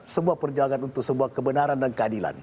sebuah perjuangan untuk sebuah kebenaran dan keadilan